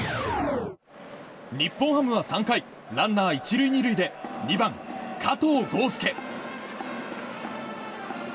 日本ハムは３回ランナー１塁２塁で２番、加藤豪将。